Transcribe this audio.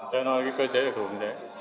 thế là cái cơ chế đặc thù như thế